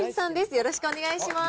よろしくお願いします。